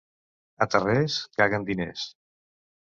A Tarrés caguen diners.